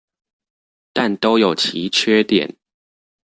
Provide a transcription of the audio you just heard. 但都有其缺點